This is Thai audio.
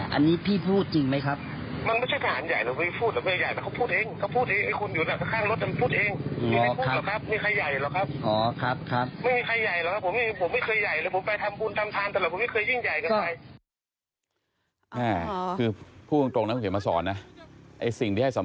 ลองฟังเสียงผู้เสียหายดูอีกสักทีนะคะ